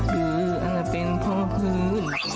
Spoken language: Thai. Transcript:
หรืออาจเป็นพ่อพื้น